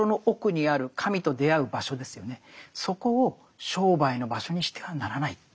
そこを商売の場所にしてはならないって。